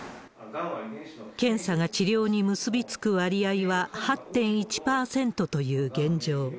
検査が治療に結び付く割合は８．１％という現状。